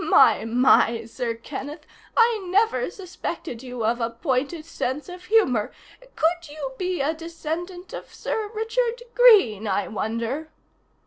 My, my, Sir Kenneth, I never suspected you of a pointed sense of humor could you be a descendant of Sir Richard Greene, I wonder?"